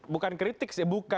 bukan kritik sih